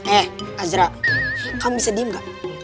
eh azra kamu bisa diem gak